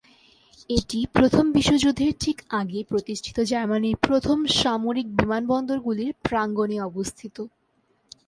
এটি প্রথম বিশ্বযুদ্ধের ঠিক আগে প্রতিষ্ঠিত জার্মানির প্রথম সামরিক বিমানবন্দরগুলির প্রাঙ্গনে অবস্থিত।